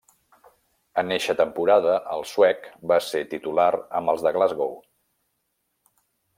En eixa temporada, el suec va ser titular amb els de Glasgow.